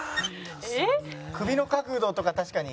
首の角度とか確かに。